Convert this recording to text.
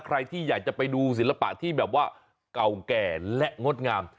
ใครที่อยากจะไปดูศิลปะที่แบบว่าเก่าแก่และงดงาม